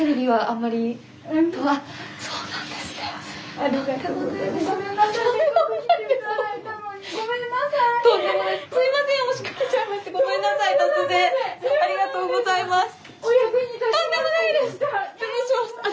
ありがとうございます。